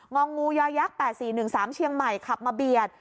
องงูยอยักษ์๘๔๑๓เชียงใหม่ขับมาเบียด